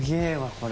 これ。